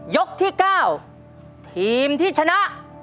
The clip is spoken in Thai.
ยกที่๙ทีมที่ชนะ